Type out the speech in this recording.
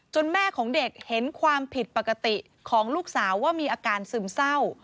แม่ของเด็กเห็นความผิดปกติของลูกสาวว่ามีอาการซึมเศร้า